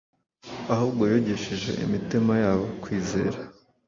ahubwo yogesheje imitima yabo kwizera.